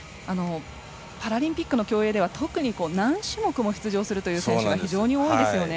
パラリンピックの競泳では特に何種目も出場するという選手が非常に多いですよね。